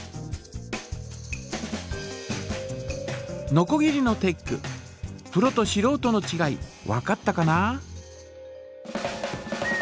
のこぎりのテックプロとしろうとのちがいわかったかな？